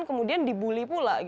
kemudian dibuli pula